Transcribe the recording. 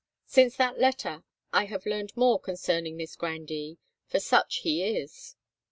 Since that letter I have learned more concerning this grandee, for such he is.